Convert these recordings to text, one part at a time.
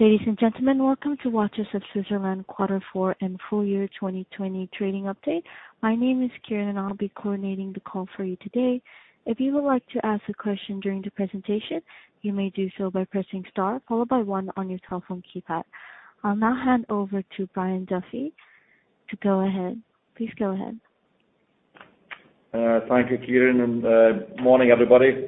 Ladies and gentlemen, welcome to Watches of Switzerland Quarter Four And Full Year 2020 Trading Update. My name is Kieran, and I'll be coordinating the call for you today. If you would like to ask a question during the presentation, you may do so by pressing star followed by one on your telephone keypad. I'll now hand over to Brian Duffy to go ahead. Please go ahead. Thank you, Kieran, and morning, everybody.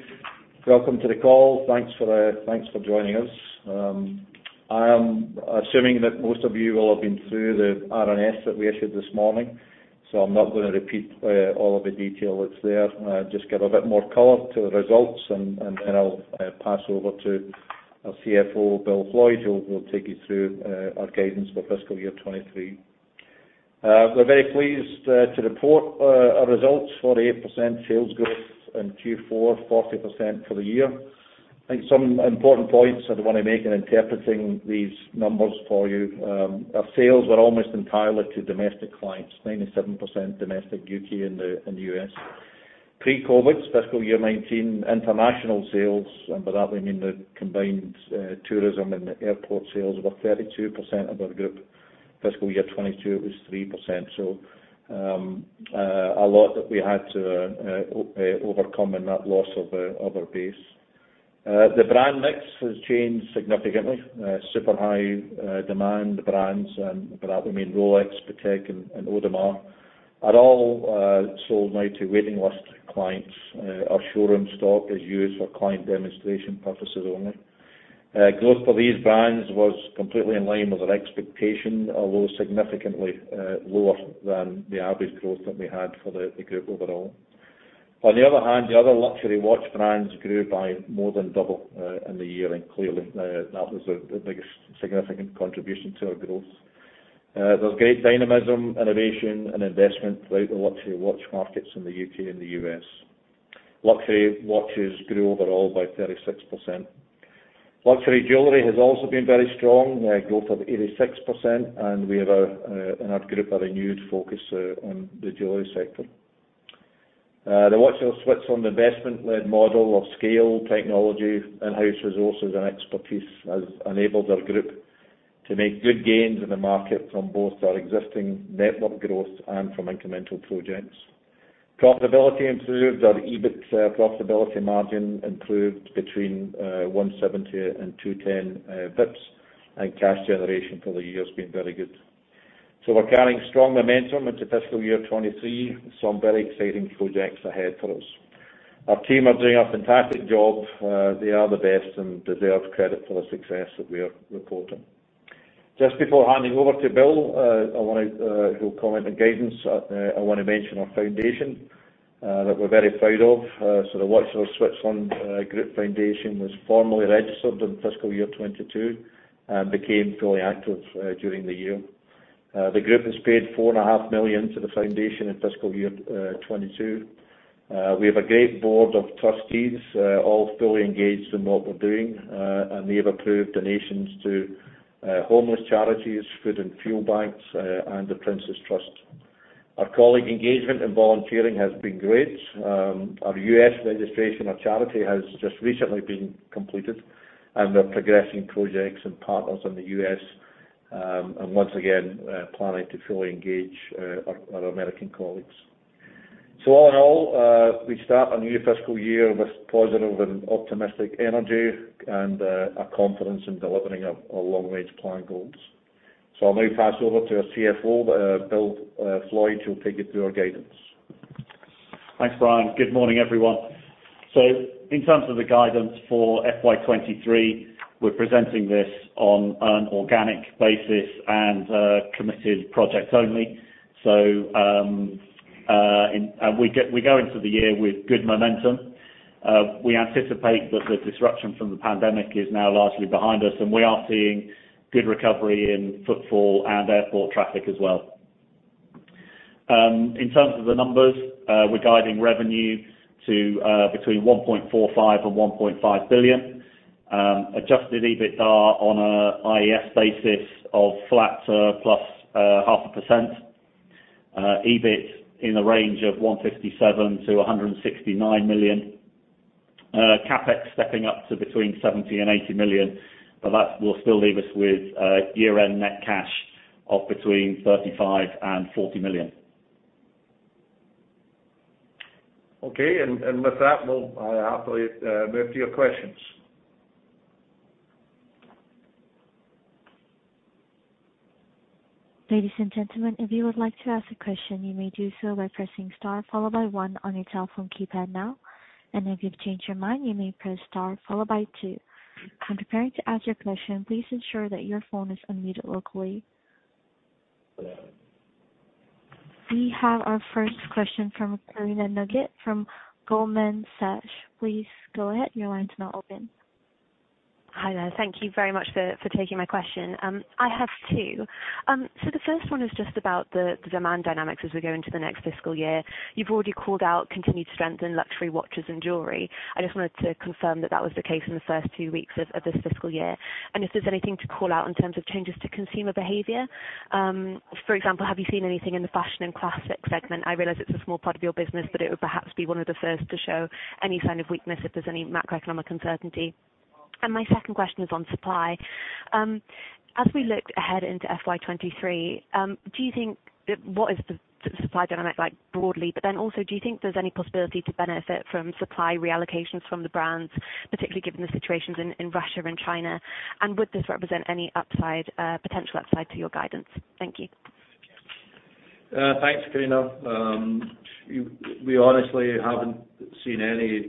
Welcome to the call. Thanks for joining us. I am assuming that most of you will have been through the RNS that we issued this morning, so I'm not gonna repeat all of the detail that's there. Just give a bit more color to the results, and then I'll pass over to our CFO, Bill Floyd, who will take you through our guidance for fiscal year 2023. We're very pleased to report our results for 8% sales growth in Q4, 40% for the year. I think some important points I'd wanna make in interpreting these numbers for you. Our sales were almost entirely to domestic clients, 97% domestic, UK, and the US. Pre-COVID, fiscal year 2019, international sales, and by that we mean the combined tourism and airport sales were 32% of our group. Fiscal year 2022, it was 3%. A lot that we had to overcome in that loss of our base. The brand mix has changed significantly. Super high demand brands, and by that we mean Rolex, Patek, and Audemars, are all sold now to waiting list clients. Our showroom stock is used for client demonstration purposes only. Growth for these brands was completely in line with our expectation, although significantly lower than the average growth that we had for the group overall. On the other hand, the other luxury watch brands grew by more than double in the year, and clearly that was the biggest significant contribution to our growth. There was great dynamism, innovation, and investment throughout the luxury watch markets in the U.K. and the U.S. Luxury watches grew overall by 36%. Luxury jewelry has also been very strong growth of 86%, and we have in our group a renewed focus on the jewelry sector. The Watches of Switzerland investment-led model of scale, technology, in-house resources, and expertise has enabled our group to make good gains in the market from both our existing network growth and from incremental projects. Profitability improved. Our EBIT profitability margin improved between 170 and 210 basis points, and cash generation for the year has been very good. We're carrying strong momentum into fiscal year 2023, some very exciting projects ahead for us. Our team are doing a fantastic job. They are the best and deserve credit for the success that we are reporting. Just before handing over to Bill, who'll comment on guidance, I wanna mention our foundation that we're very proud of. The Watches of Switzerland Group Foundation was formally registered in fiscal year 2022 and became fully active during the year. The group has paid 4.5 million to the foundation in fiscal year 2022. We have a great board of trustees, all fully engaged in what we're doing, and they have approved donations to homeless charities, food and fuel banks, and The Prince's Trust. Our colleague engagement and volunteering has been great. Our U.S. registration, our charity, has just recently been completed, and we're progressing projects and partners in the U.S., and once again, planning to fully engage our American colleagues. All in all, we start a new fiscal year with positive and optimistic energy and a confidence in delivering our long-range plan goals. I'll now pass over to our CFO, Bill Floyd, who'll take you through our guidance. Thanks, Brian. Good morning, everyone. In terms of the guidance for FY 2023, we're presenting this on an organic basis and committed projects only. We go into the year with good momentum. We anticipate that the disruption from the pandemic is now largely behind us, and we are seeing good recovery in footfall and airport traffic as well. In terms of the numbers, we're guiding revenue to between 1.45 billion and 1.5 billion. Adjusted EBITDAR on an IFRS basis of flat to +0.5%. EBIT in the range of 157 million-169 million. CapEx stepping up to between 70 million and 80 million, but that will still leave us with year-end net cash of between 35 million and 40 million. Okay. With that, we'll happily move to your questions. Ladies and gentlemen, if you would like to ask a question, you may do so by pressing star followed by one on your telephone keypad now. If you've changed your mind, you may press star followed by two. When preparing to ask your question, please ensure that your phone is unmuted locally. We have our first question from Carina Sheridan from Goldman Sachs. Please go ahead. Your line is now open. Hi there. Thank you very much for taking my question. I have two. The first one is just about the demand dynamics as we go into the next fiscal year. You've already called out continued strength in luxury watches and jewelry. I just wanted to confirm that that was the case in the first two weeks of this fiscal year, and if there's anything to call out in terms of changes to consumer behavior. For example, have you seen anything in the fashion and classic segment? I realize it's a small part of your business, but it would perhaps be one of the first to show any sign of weakness if there's any macroeconomic uncertainty. My second question is on supply. As we look ahead into FY 2023, do you think that what is the supply dynamic like broadly, but then also, do you think there's any possibility to benefit from supply reallocations from the brands, particularly given the situations in Russia and China, and would this represent any upside, potential upside to your guidance? Thank you. Thanks, Carina. We honestly haven't seen any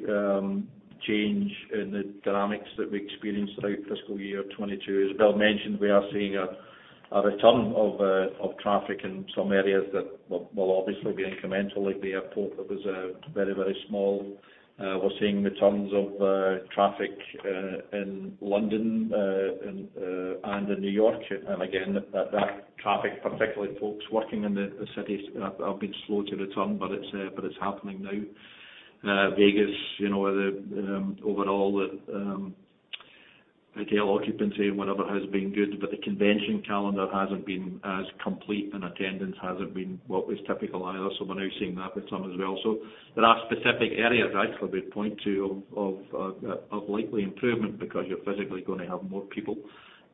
change in the dynamics that we experienced throughout fiscal year 2022. As Bill mentioned, we are seeing a return of traffic in some areas that will obviously be incremental, like the airport that was very small. We're seeing returns of traffic in London and in New York. Again, that traffic, particularly folks working in the cities, have been slow to return, but it's happening now. Vegas, you know, overall, the hotel occupancy and whatever has been good, but the convention calendar hasn't been as complete, and attendance hasn't been what was typical either. We're now seeing that return as well. There are specific areas actually we'd point to of likely improvement because you're physically gonna have more people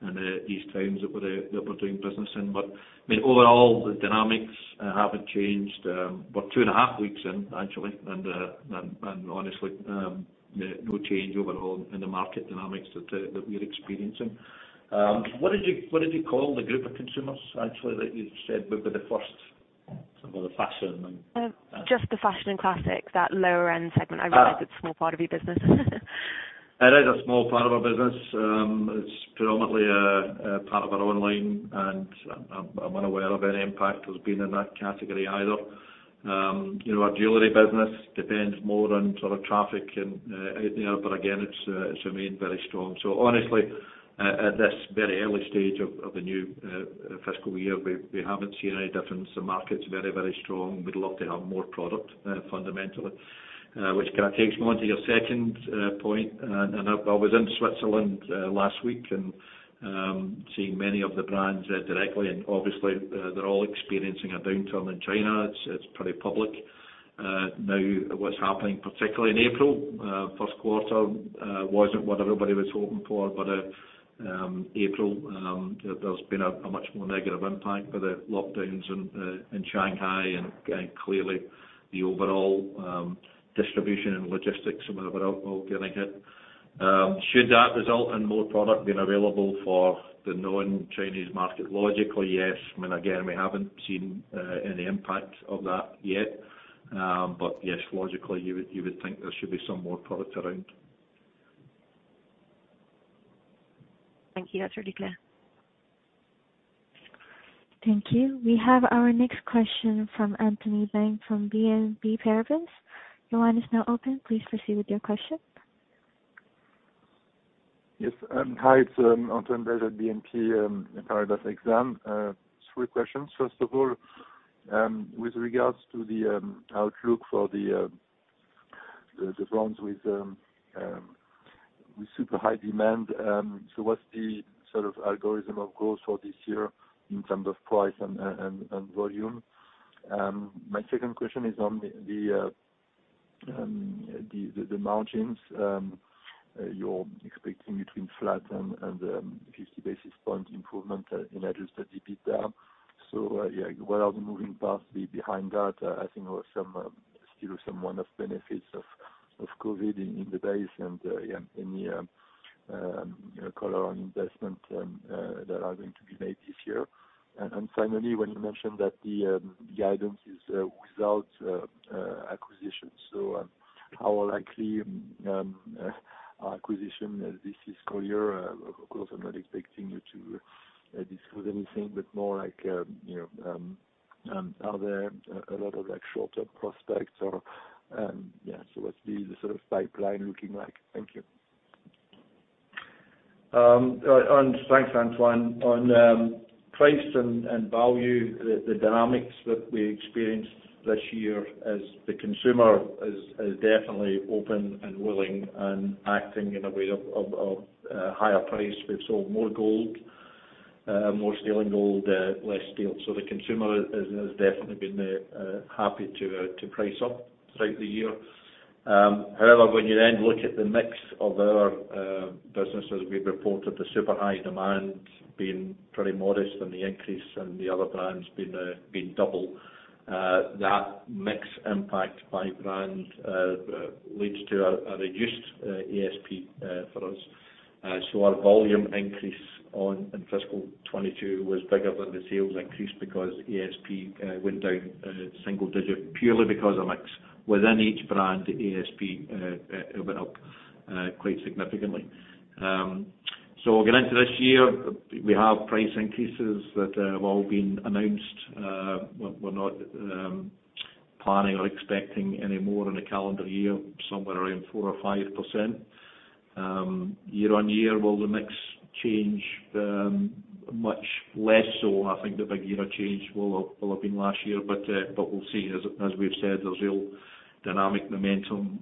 in these towns that we're doing business in. I mean, overall, the dynamics haven't changed. We're two and a half weeks in actually, and honestly, no change overall in the market dynamics that we're experiencing. What did you call the group of consumers actually that you said would be the first? Some of the fashion and- Just the fashion and classics, that lower end segment. Ah. I realize it's a small part of your business. It is a small part of our business. It's predominantly a part of our online, and I'm unaware of any impact there's been in that category either. You know, our jewelry business depends more on sort of traffic and out there. Again, it's remained very strong. Honestly, at this very early stage of the new fiscal year, we haven't seen any difference. The market's very, very strong. We'd love to have more product, fundamentally, which kind of takes me onto your second point. I was in Switzerland last week, and seeing many of the brands directly, and obviously, they're all experiencing a downturn in China. It's pretty public. Now what's happening, particularly in April, first quarter, wasn't what everybody was hoping for, but April, there's been a much more negative impact with the lockdowns in Shanghai and clearly the overall distribution and logistics and whatever else all getting hit. Should that result in more product being available for the non-Chinese market? Logically, yes. I mean, again, we haven't seen any impact of that yet. Yes, logically you would think there should be some more product around. Thank you. That's really clear. Thank you. We have our next question from Antoine Belge from BNP Paribas. Your line is now open. Please proceed with your question. Yes, hi, it's Antoine Belge at BNP Paribas Exane. Three questions. First of all, with regards to the outlook for the brands with super high demand, so what's the sort of algorithm of growth for this year in terms of price and volume? My second question is on the margins. You're expecting between flat and 50 basis points improvement in adjusted EBITDA. So, yeah, what are the moving parts behind that? I think there were some still some one-off benefits of COVID in the base and, yeah, any, you know, color on investments that are going to be made this year. Finally, when you mentioned that the guidance is without acquisitions, how likely acquisition this fiscal year? Of course, I'm not expecting you to disclose anything, but more like, you know, are there a lot of like shorter prospects or, yeah, so what's the sort of pipeline looking like? Thank you. Thanks, Antoine. On price and value, the dynamics that we experienced this year is the consumer is definitely open and willing and acting in a way of higher price. We've sold more gold, more Everose gold, less steel. The consumer has definitely been happy to price up throughout the year. However, when you then look at the mix of our businesses, we've reported the Rolex demand being pretty modest and the increase in the other brands being double. That mix impact by brand leads to a reduced ASP for us. Our volume increase in fiscal 2022 was bigger than the sales increase because ASP went down single-digit purely because of mix. Within each brand, the ASP went up quite significantly. Going into this year, we have price increases that have all been announced. We're not planning or expecting any more in a calendar year, somewhere around 4% or 5%. Year-on-year, will the mix change? Much less so. I think the big year of change will have been last year, but we'll see. As we've said, there's real dynamic momentum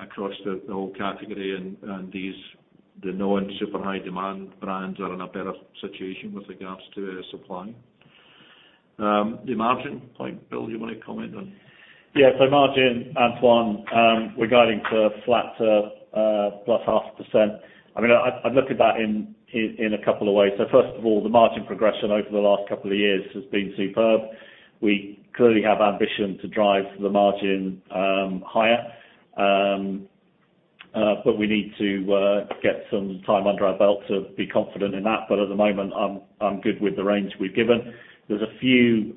across the whole category and these non-super high demand brands are in a better situation with regards to supply. The margin, like Bill, you want to comment on? Yeah. Margin, Antoine, we're guiding for flat to +0.5%. I mean, I'd look at that in a couple of ways. First of all, the margin progression over the last couple of years has been superb. We clearly have ambition to drive the margin higher. But we need to get some time under our belt to be confident in that. But at the moment, I'm good with the range we've given. There's a few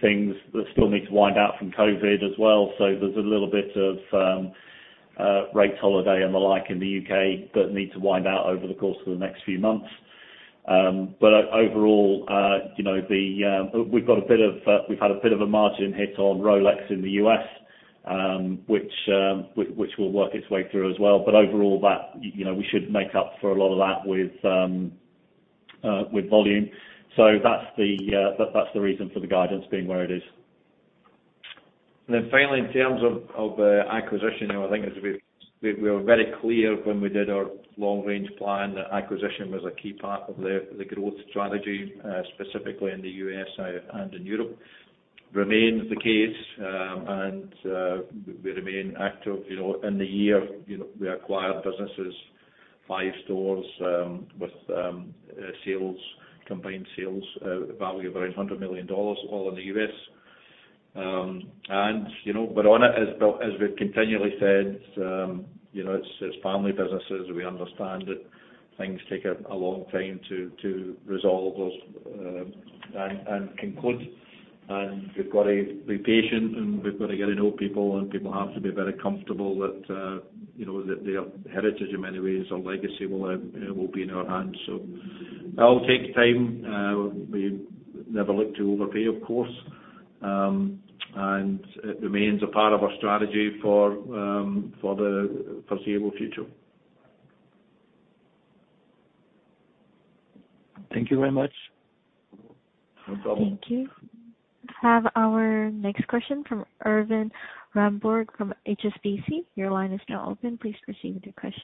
things that still need to wind out from COVID as well. There's a little bit of rate holiday and the like in the UK that need to wind out over the course of the next few months. Overall, you know, we've had a bit of a margin hit on Rolex in the U.S., which will work its way through as well. Overall that, you know, we should make up for a lot of that with volume. That's the reason for the guidance being where it is. Finally, in terms of acquisition, you know, I think as we were very clear when we did our long-range plan that acquisition was a key part of the growth strategy, specifically in the U.S. and in Europe. Remains the case. We remain active, you know, in the year, you know, we acquired businesses, five stores, with combined sales value of around $100 million all in the U.S. You know, but only as we've continually said, you know, it's family businesses. We understand that things take a long time to resolve those, and conclude, and we've got to be patient, and we've got to get to know people, and people have to be very comfortable that, you know, that their heritage in many ways or legacy will be in our hands. That will take time. We never look to overpay, of course. It remains a part of our strategy for the foreseeable future. Thank you very much. No problem. Thank you. Have our next question from Erwan Rambourg from HSBC. Your line is now open. Please proceed with your question.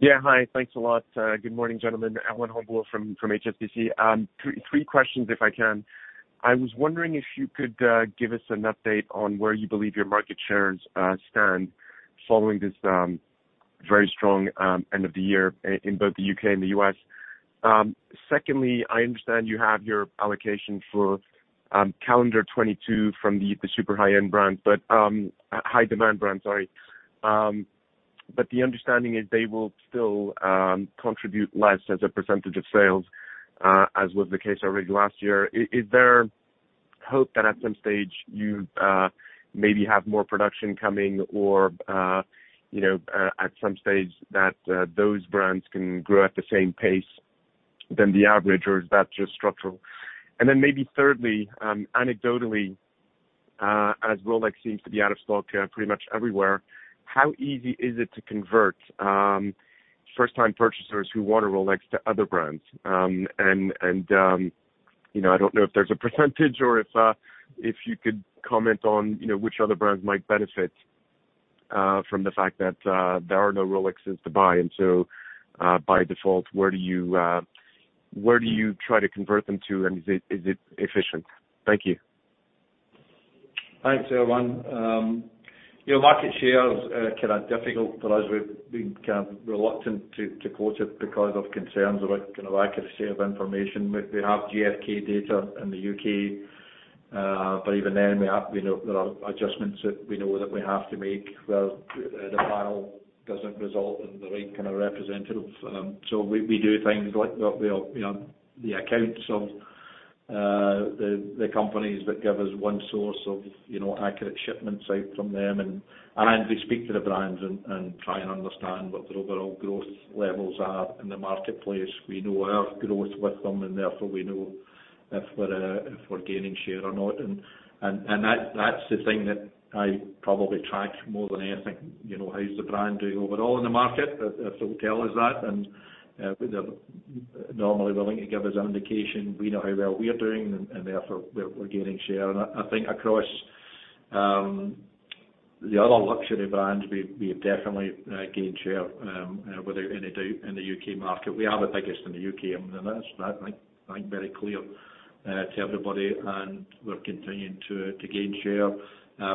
Yeah. Hi. Thanks a lot. Good morning, gentlemen. Erwan Rambourg from HSBC. Three questions if I can. I was wondering if you could give us an update on where you believe your market shares stand following this very strong end of the year in both the U.K. and the U.S. Secondly, I understand you have your allocation for calendar 2022 from the super high-end brand, but high demand brand, sorry. But the understanding is they will still contribute less as a percentage of sales as was the case already last year. Is there hope that at some stage you maybe have more production coming or you know at some stage that those brands can grow at the same pace than the average, or is that just structural? Maybe thirdly, anecdotally, as Rolex seems to be out of stock pretty much everywhere, how easy is it to convert first time purchasers who want a Rolex to other brands? You know, I don't know if there's a percentage or if you could comment on, you know, which other brands might benefit from the fact that there are no Rolexes to buy. By default, where do you try to convert them to, and is it efficient? Thank you. Thanks, Erwan. You know, market share is kind of difficult for us. We've been kind of reluctant to quote it because of concerns about kind of accuracy of information. We have GfK data in the UK, but even then we have, you know, there are adjustments that we know that we have to make where the panel doesn't result in the right kind of representative. We do things like we, you know, the accounts of the companies that give us one source of, you know, accurate shipments out from them. We speak to the brands and try and understand what their overall growth levels are in the marketplace. We know our growth with them, and therefore we know if we're gaining share or not. That's the thing that I probably track more than anything. You know, how's the brand doing overall in the market? If they'll tell us that, and they're normally willing to give us an indication. We know how well we are doing, and therefore we're gaining share. I think across the other luxury brands, we have definitely gained share without any doubt in the U.K. market. We are the biggest in the U.K., and that's, I think, very clear to everybody, and we're continuing to gain share.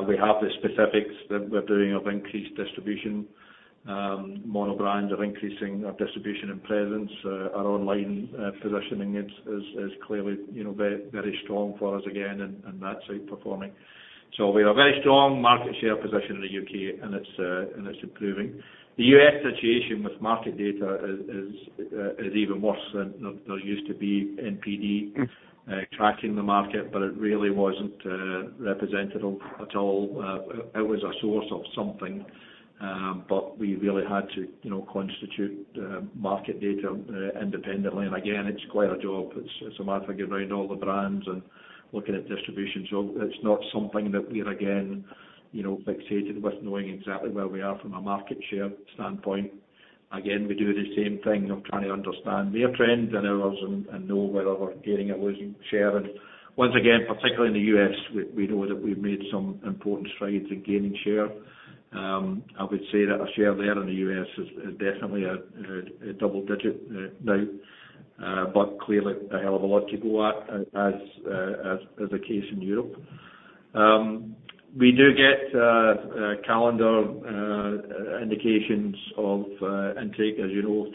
We have the specifics that we're doing of increased distribution, monobrand of increasing our distribution and presence. Our online positioning is clearly, you know, very strong for us again, and that's outperforming. We have a very strong market share position in the U.K., and it's improving. The U.S. situation with market data is even worse than there used to be NPD tracking the market, but it really wasn't representative at all. It was a source of something. We really had to, you know, construct market data independently. Again, it's quite a job. It's a matter of going around all the brands and looking at distribution. It's not something that we're again, you know, fixated with knowing exactly where we are from a market share standpoint. Again, we do the same thing of trying to understand their trends and ours and know whether we're gaining or losing share. Once again, particularly in the U.S., we know that we've made some important strides in gaining share. I would say that our share there in the U.S. is definitely a double-digit now. Clearly a hell of a lot to go at, as is the case in Europe. We do get calendar indications of intake, as you know,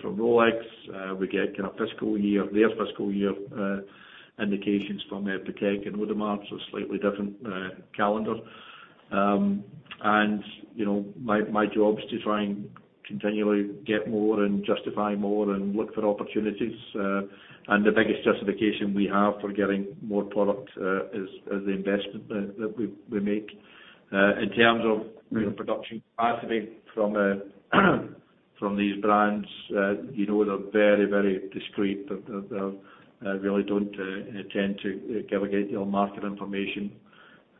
from Rolex. We get kind of fiscal year, their fiscal year, indications from Patek and Audemars, so slightly different calendar. You know, my job is to try and continually get more and justify more and look for opportunities. The biggest justification we have for getting more product is the investment that we make. In terms of, you know, production capacity from these brands, you know, they're very, very discreet. They really don't intend to give away your market information.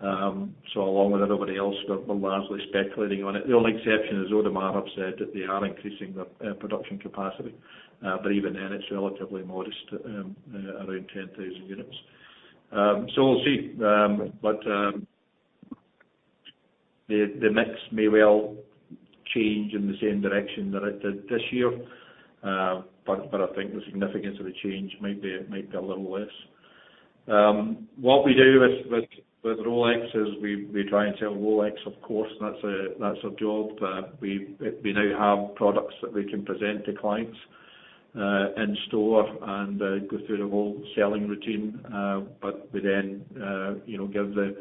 Along with everybody else, we're largely speculating on it. The only exception is Audemars have said that they are increasing their production capacity. Even then, it's relatively modest, around 10,000 units. We'll see. The mix may well change in the same direction that it did this year. I think the significance of the change might be a little less. What we do with Rolex is we try and sell Rolex, of course. That's a job. We now have products that we can present to clients in store and go through the whole selling routine. We then you know give the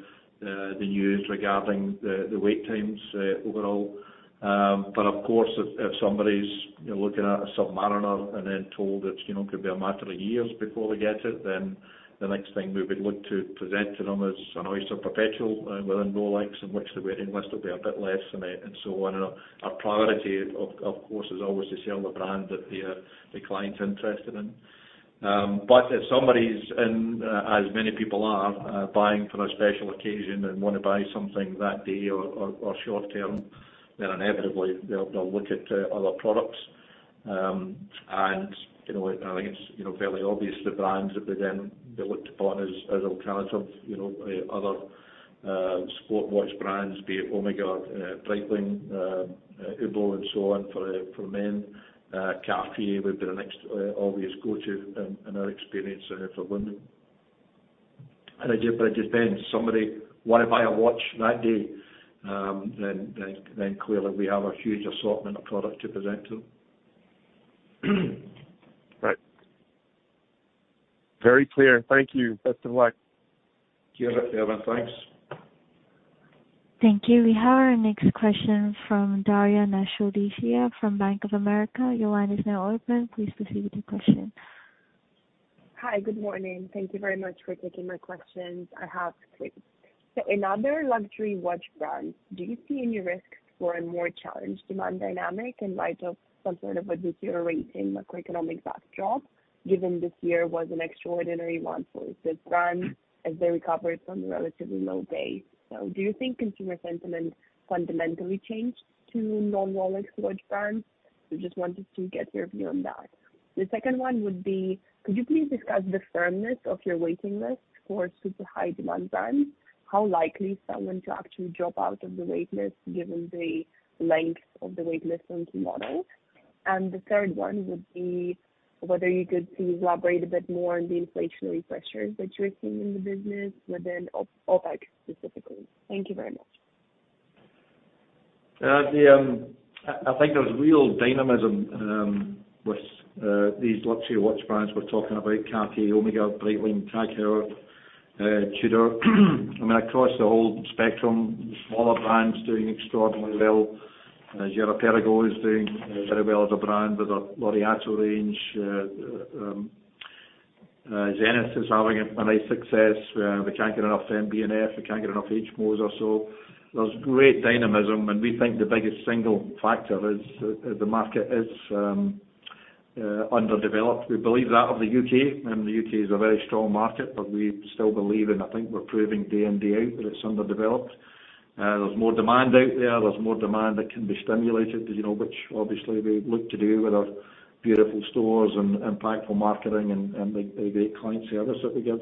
news regarding the wait times overall. Of course, if somebody's you know looking at a Submariner and then told it's you know could be a matter of years before they get it, then the next thing we would look to present to them is an Oyster Perpetual within Rolex in which the waiting list will be a bit less and they and so on. Our priority of course is always to sell the brand that the client's interested in. If somebody's in, as many people are, buying for a special occasion and wanna buy something that day or short term, then inevitably they'll look at other products. You know, I think it's, you know, fairly obvious the brands that they then looked upon as alternative. You know, other sport watch brands, be it Omega, Breitling, Hublot, and so on for men. Cartier would be the next obvious go-to in our experience for women. Again, it just depends. Somebody wanna buy a watch that day, then clearly we have a huge assortment of product to present to them. Right. Very clear. Thank you. Best of luck. You got it, Erwan. Thanks. Thank you. We have our next question from Daria Latysheva from Bank of America. Your line is now open. Please proceed with your question. Hi. Good morning. Thank you very much for taking my questions. I have two. In other luxury watch brands, do you see any risks for a more challenged demand dynamic in light of some sort of a deteriorating macroeconomic backdrop given this year was an extraordinary one for the brand as they recovered from the relatively low base? Do you think consumer sentiment fundamentally changed to non-Rolex watch brands? We just wanted to get your view on that. The second one would be, could you please discuss the firmness of your waiting list for super high demand brands? How likely is someone to actually drop out of the wait list given the length of the wait list on key models? The third one would be whether you could please elaborate a bit more on the inflationary pressures that you're seeing in the business within OpEx specifically. Thank you very much. I think there's real dynamism with these luxury watch brands. We're talking about Cartier, Omega, Breitling, TAG Heuer, Tudor. I mean, across the whole spectrum, smaller brands doing extraordinarily well. Girard-Perregaux is doing very well as a brand with a Laureato range. Zenith is having a nice success. We can't get enough MB&F. We can't get enough H. Moser. There's great dynamism, and we think the biggest single factor is the market underdeveloped. We believe that in the UK, and the UK is a very strong market. We still believe, and I think we're proving day in, day out, that it's underdeveloped. There's more demand out there. There's more demand that can be stimulated, you know, which obviously we look to do with our beautiful stores and impactful marketing and the great client service that we give.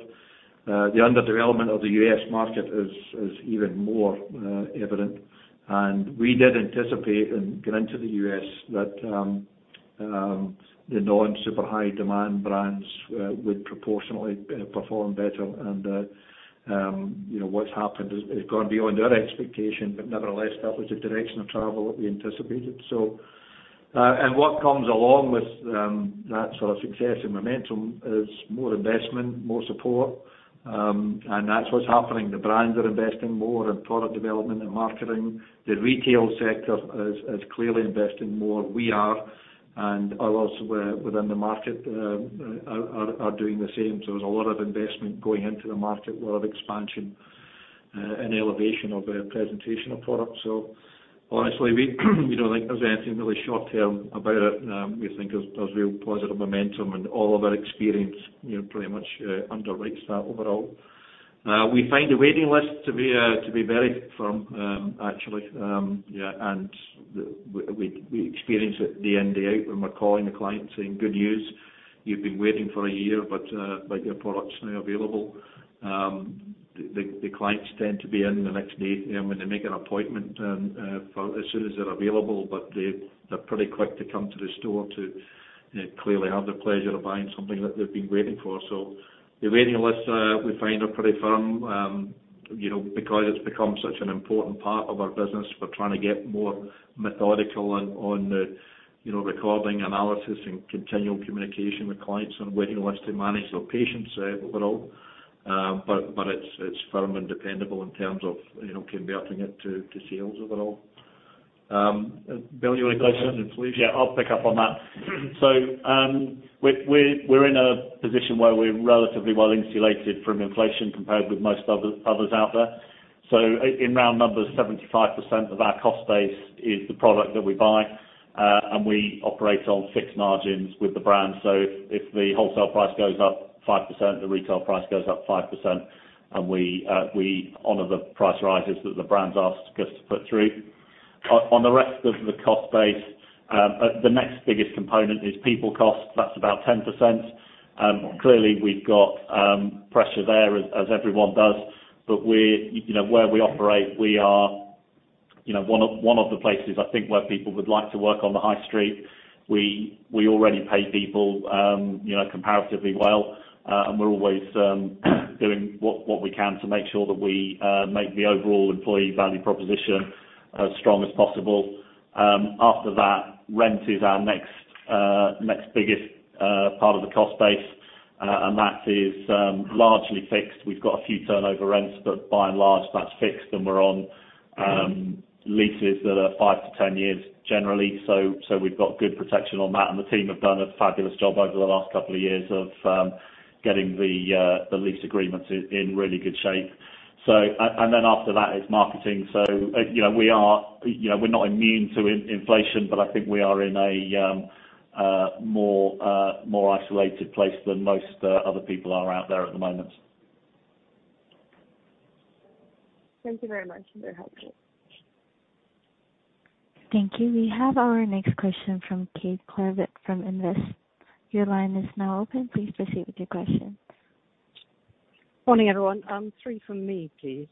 The underdevelopment of the U.S. market is even more evident. We did anticipate in getting to the U.S. that the non-super high demand brands would proportionately perform better. You know, what's happened has gone beyond our expectation. Nevertheless, that was the direction of travel that we anticipated. What comes along with that sort of success and momentum is more investment, more support. That's what's happening. The brands are investing more in product development and marketing. The retail sector is clearly investing more. We are. Others within the market are doing the same. There's a lot of investment going into the market, a lot of expansion, and elevation of presentation of product. Honestly, we don't think there's anything really short term about it. We think there's real positive momentum and all of our experience, you know, pretty much, underwrites that overall. We find the waiting list to be very firm, actually. We experience it day in, day out when we're calling the client saying, "Good news. You've been waiting for a year, but your product's now available." The clients tend to be in the next day, you know, when they make an appointment, for as soon as they're available. They're pretty quick to come to the store. They clearly have the pleasure of buying something that they've been waiting for. The waiting lists, we find are pretty firm. You know, because it's become such an important part of our business, we're trying to get more methodical on the, you know, recording analysis and continual communication with clients on waiting lists to manage their expectations overall. But it's firm and dependable in terms of, you know, converting it to sales overall. Bill, you wanna go into inflation? Yeah, I'll pick up on that. We're in a position where we're relatively well insulated from inflation compared with most others out there. In round numbers, 75% of our cost base is the product that we buy. We operate on fixed margins with the brand. If the wholesale price goes up 5%, the retail price goes up 5%, and we honor the price rises that the brands ask us to put through. On the rest of the cost base, the next biggest component is people cost. That's about 10%. Clearly, we've got pressure there as everyone does. You know, where we operate, we are you know, one of the places I think where people would like to work on the high street. We already pay people, you know, comparatively well. We're always doing what we can to make sure that we make the overall employee value proposition as strong as possible. After that, rent is our next biggest part of the cost base. That is largely fixed. We've got a few turnover rents, but by and large, that's fixed, and we're on leases that are 5-10 years generally. We've got good protection on that, and the team have done a fabulous job over the last couple of years of getting the lease agreements in really good shape. Then after that, it's marketing. You know, we're not immune to inflation, but I think we are in a more isolated place than most other people are out there at the moment. Thank you very much for your help. Thank you. We have our next question from Kate Sheridan from Investec. Your line is now open. Please proceed with your question. Morning, everyone. three from me, please.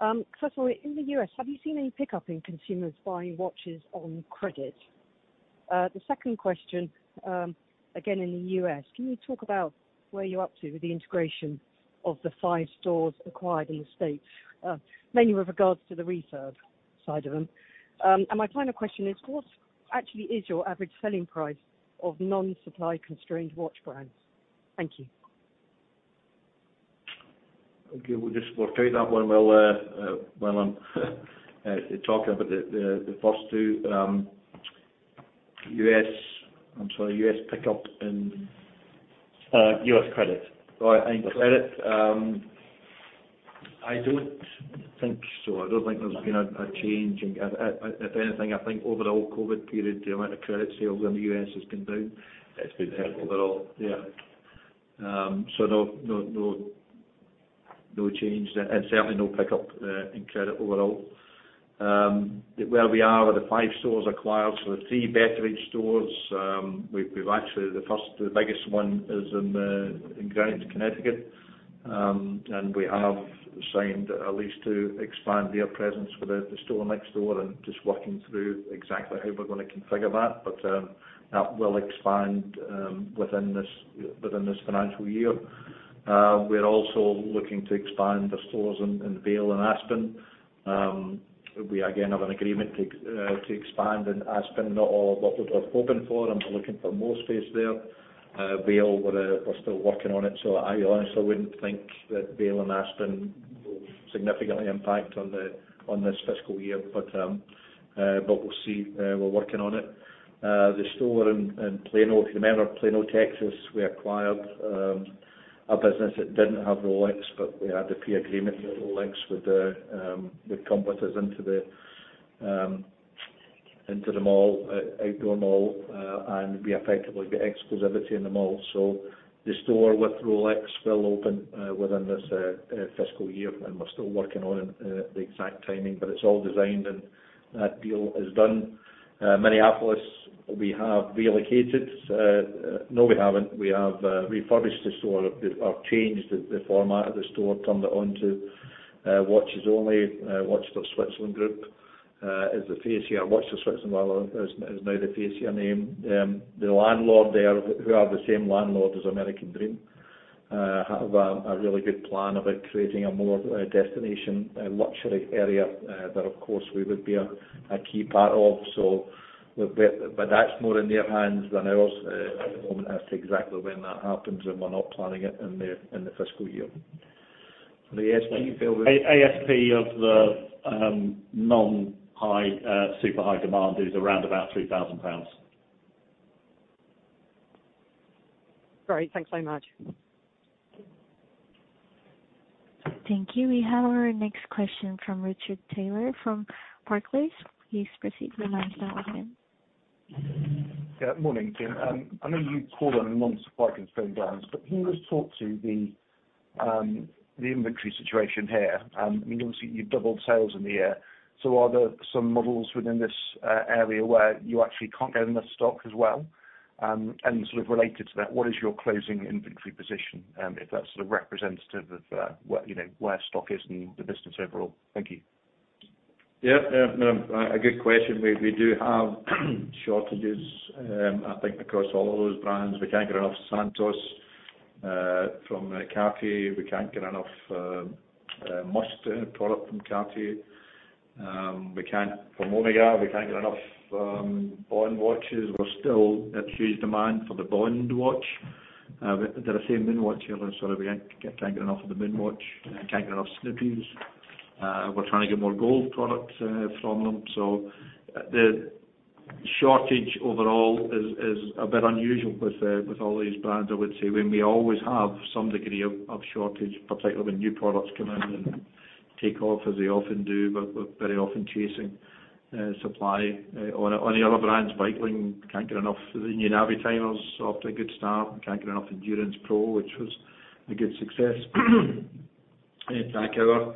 First of all, in the US, have you seen any pickup in consumers buying watches on credit? The second question, again, in the US, can you talk about where you're up to with the integration of the five stores acquired in the States, mainly with regards to the reserve side of them? My final question is what actually is your average selling price of non-supply constrained watch brands? Thank you. Okay. We'll take that one while I'm talking about the first two. U.S., I'm sorry, U.S. pickup in- U.S. credit. Right. In credit. I don't think so. If anything, I think overall COVID period, the amount of credit sales in the U.S. has been down. It's been down. Overall. No change there, and certainly no pickup in credit overall. Where we are with the five stores acquired, so the three Betteridge stores, we've actually, the first, the biggest one is in Greenwich, Connecticut. We have signed a lease to expand their presence with the store next door and just working through exactly how we're gonna configure that. That will expand within this financial year. We're also looking to expand the stores in Vail and Aspen. We again have an agreement to expand in Aspen, not quite what we're hoping for and we're looking for more space there. Vail, we're still working on it, so I honestly wouldn't think that Vail and Aspen will significantly impact on this fiscal year. We'll see, we're working on it. The store in Plano, if you remember, Plano, Texas, we acquired a business that didn't have Rolex, but we had the pre-agreement with Rolex with competitors in the outdoor mall. We effectively get exclusivity in the mall. The store with Rolex will open within this fiscal year, and we're still working on the exact timing, but it's all designed, and that deal is done. Minneapolis, we have reallocated. No, we haven't. We have refurbished the store or changed the format of the store, turned it into watches only. Watches of Switzerland Group is the fascia. Watches of Switzerland is now the fascia name. The landlord there, who are the same landlord as American Dream, have a really good plan about creating a more destination luxury area that of course we would be a key part of. But that's more in their hands than ours at the moment as to exactly when that happens, and we're not planning it in the fiscal year. The ASP, Bill? ASP of the non-super high demand is around about 3,000 pounds. Great. Thanks so much. Thank you. We have our next question from Richard Taylor from Barclays. Please proceed. Your line's now open. Yeah. Morning, Jim. I know you called it a non-supply constrained balance, but can you just talk to the inventory situation here? I mean, obviously, you've doubled sales in the year. Are there some models within this area where you actually can't get enough stock as well? And sort of related to that, what is your closing inventory position, if that's sort of representative of what you know where stock is in the business overall? Thank you. Yeah, no, a good question. We do have shortages, I think across all of those brands. We can't get enough Santos from Cartier. We can't get enough Must de Cartier from Cartier. From Omega, we can't get enough Bond watches. There's still huge demand for the Bond watch. Did I say Moonwatch earlier? Sorry, we can't get enough of the Moonwatch, can't get enough Snoopy's. We're trying to get more gold product from them. The shortage overall is a bit unusual with all these brands, I would say, when we always have some degree of shortage, particularly when new products come in and take off as they often do, but we're very often chasing supply. On the other brands, Breitling can't get enough of the new Navitimer, off to a good start, and can't get enough Endurance Pro, which was a good success. TAG Heuer,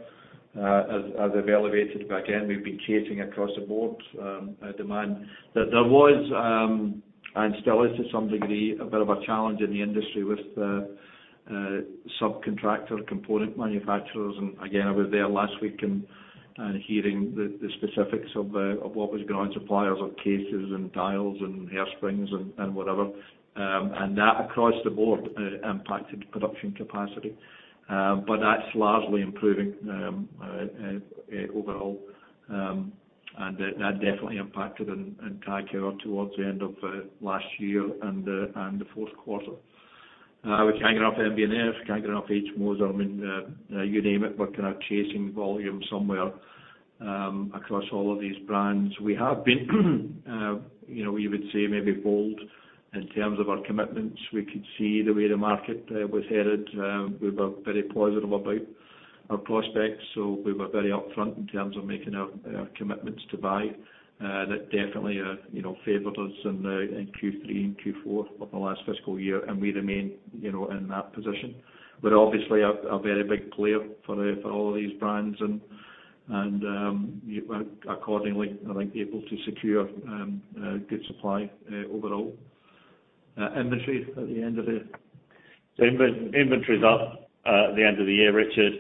as I've indicated, but again, we've been chasing demand across the board. There was, and still is to some degree, a bit of a challenge in the industry with subcontractor component manufacturers. I was there last week and hearing the specifics of what was going on, suppliers of cases and dials and hairsprings and whatever. That across the board impacted production capacity. But that's largely improving overall. That definitely impacted TAG Heuer towards the end of last year and the fourth quarter. We can't get enough MB&F, can't get enough H. Moser. I mean, you name it, we're kind of chasing volume somewhere, across all of these brands. We have been, you know, we would say maybe bold in terms of our commitments. We could see the way the market was headed. We were very positive about our prospects, so we were very upfront in terms of making our commitments to buy. That definitely, you know, favored us in Q3 and Q4 of the last fiscal year, and we remain, you know, in that position. We're obviously a very big player for all of these brands and, accordingly, I think able to secure good supply overall. Inventory at the end of the Inventory's up at the end of the year, Richard.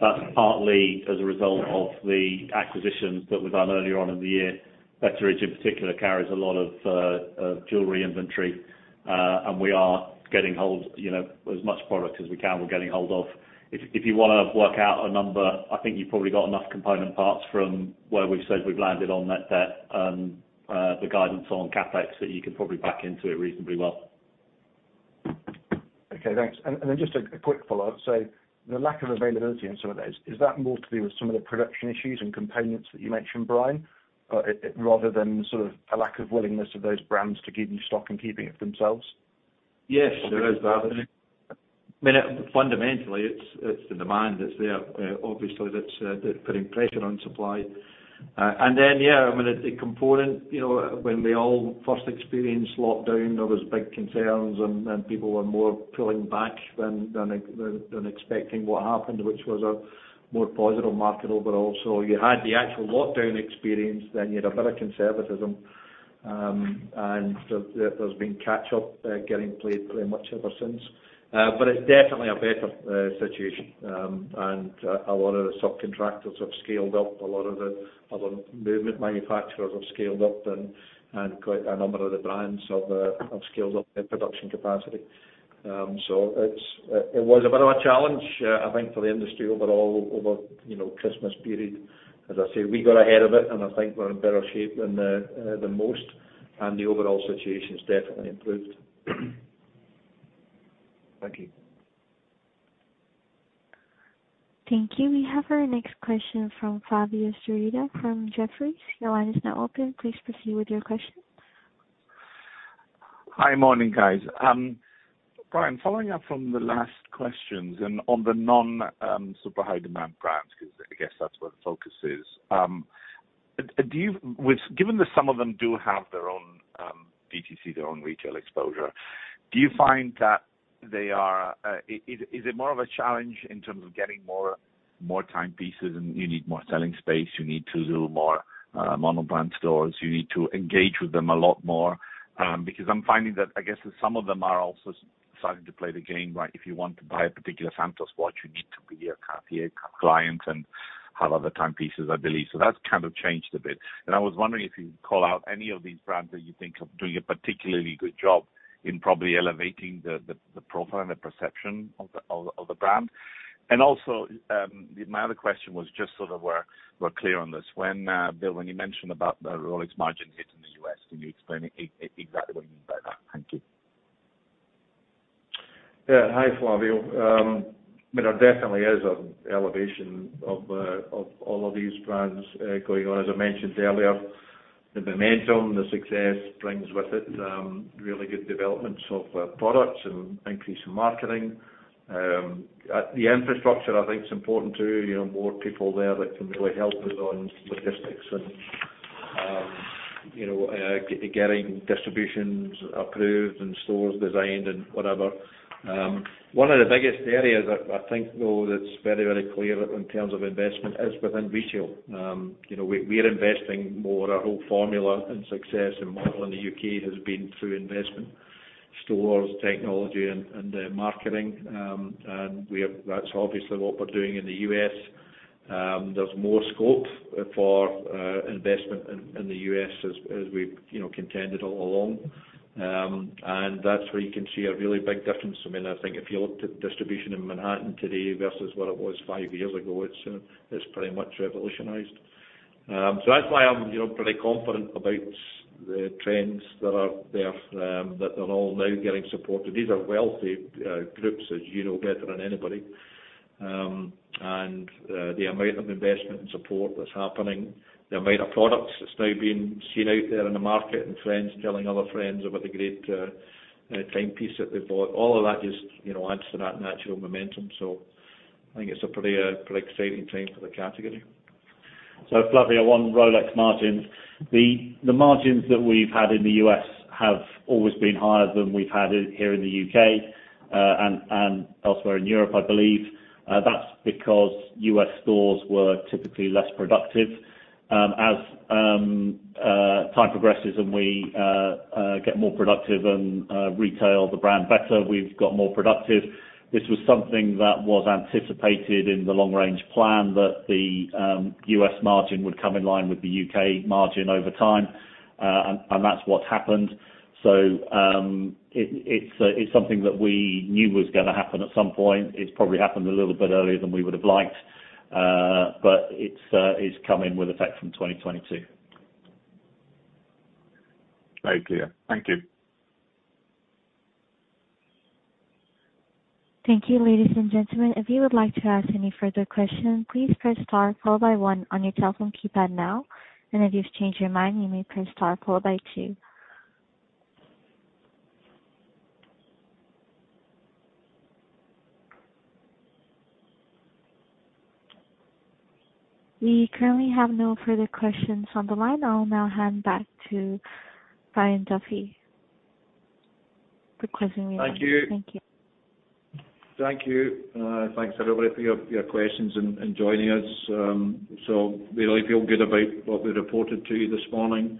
That's partly as a result of the acquisitions that we've done earlier on in the year. Betteridge in particular carries a lot of jewelry inventory. We're getting hold of as much product as we can, you know. If you wanna work out a number, I think you've probably got enough component parts from where we've said we've landed on net debt and the guidance on CapEx that you can probably back into it reasonably well. Okay, thanks. Then just a quick follow-up. The lack of availability in some of those, is that more to do with some of the production issues and components that you mentioned, Brian, rather than sort of a lack of willingness of those brands to give you stock and keeping it themselves? Yes, there is that. I mean, fundamentally it's the demand that's there, obviously that's putting pressure on supply. Yeah, I mean, the component, you know, when we all first experienced lockdown, there was big concerns and people were more pulling back than expecting what happened, which was a more positive market overall. You had the actual lockdown experience, then you had a bit of conservatism. There's been catch up getting played pretty much ever since. It's definitely a better situation. A lot of the subcontractors have scaled up. A lot of the other movement manufacturers have scaled up and quite a number of the brands have scaled up their production capacity. It was a bit of a challenge, I think, for the industry overall over you know Christmas period. As I say, we got ahead of it and I think we're in better shape than most, and the overall situation's definitely improved. Thank you. Thank you. We have our next question from Flavio Cereda from Jefferies. Your line is now open. Please proceed with your question. Hi. Morning, guys. Brian, following up from the last questions and on the non super high demand brands, 'cause I guess that's where the focus is. Do you, with given that some of them do have their own DTC, their own retail exposure, do you find that they are, is it more of a challenge in terms of getting more time pieces and you need more selling space, you need to do more monobrand stores, you need to engage with them a lot more? Because I'm finding that, I guess that some of them are also starting to play the game, right? If you want to buy a particular Santos watch, you need to be a Cartier client and have other time pieces, I believe. That's kind of changed a bit. I was wondering if you could call out any of these brands that you think are doing a particularly good job in probably elevating the profile and the perception of the brand. Also, my other question was just so that we're clear on this. When, Bill, when you mentioned about the Rolex margin hit in the U.S., can you explain exactly what you mean by that? Thank you. Yeah. Hi, Flavio. I mean, there definitely is an elevation of all of these brands going on. As I mentioned earlier, the momentum, the success brings with it really good developments of products and increase in marketing. The infrastructure I think is important too, you know, more people there that can really help us on logistics and, you know, getting distributions approved and stores designed and whatever. One of the biggest areas I think though that's very, very clear in terms of investment is within retail. You know, we're investing more. Our whole formula and success and model in the UK has been through investment. Stores, technology, and the marketing. That's obviously what we're doing in the US. There's more scope for investment in the U.S. as we've, you know, contended all along. That's where you can see a really big difference. I mean, I think if you looked at distribution in Manhattan today versus what it was five years ago, it's pretty much revolutionized. That's why I'm, you know, pretty confident about the trends that are there, that they're all now getting supported. These are wealthy groups, as you know better than anybody. The amount of investment and support that's happening, the amount of products that's now being seen out there in the market and friends telling other friends about the great timepiece that they've bought, all of that just, you know, adds to that natural momentum. I think it's a pretty exciting time for the category. Follow-up on the Rolex margin. The margins that we've had in the U.S. have always been higher than we've had here in the U.K., and elsewhere in Europe, I believe. That's because U.S. stores were typically less productive. As time progresses and we get more productive and retail the brand better, we've got more productive. This was something that was anticipated in the long range plan that the U.S. margin would come in line with the U.K. margin over time. That's what happened. It's something that we knew was gonna happen at some point. It's probably happened a little bit earlier than we would have liked. It's come in with effect from 2022. Very clear. Thank you. Thank you, ladies and gentlemen. If you would like to ask any further questions, please press star followed by one on your telephone keypad now. If you've changed your mind, you may press star followed by two. We currently have no further questions on the line. I'll now hand back to Brian Duffy for closing remarks. Thank you. Thank you. Thanks everybody for your questions and joining us. We really feel good about what we reported to you this morning.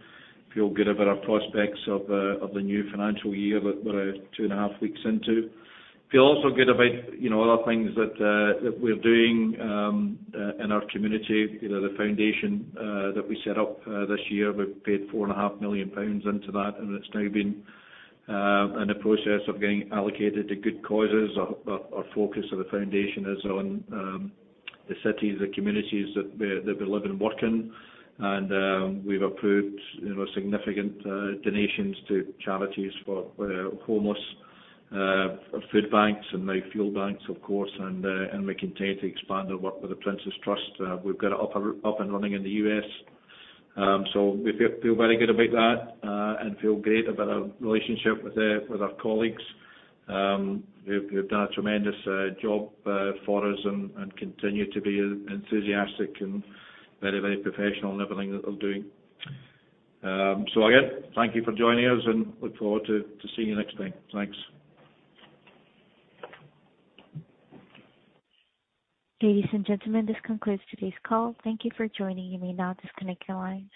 Feel good about our prospects of the new financial year that we're two and a half weeks into. Feel also good about, you know, other things that we're doing in our community. You know, the Foundation that we set up this year. We've paid four and a half million pounds into that, and it's now been in the process of getting allocated to good causes. Our focus of the Foundation is on the cities, the communities that we live and work in. We've approved, you know, significant donations to charities for homeless, food banks and now fuel banks, of course. We continue to expand our work with The Prince's Trust. We've got it up and running in the U.S. We feel very good about that and feel great about our relationship with our colleagues who've done a tremendous job for us and continue to be enthusiastic and very professional in everything that they're doing. Again, thank you for joining us and look forward to seeing you next time. Thanks. Ladies and gentlemen, this concludes today's call. Thank you for joining. You may now disconnect your lines.